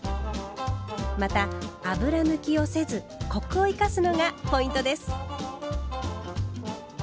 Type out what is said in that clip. また油抜きをせずコクを生かすのがポイントです。